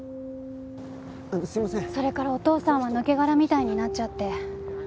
それからお父さんは抜け殻みたいになっちゃって。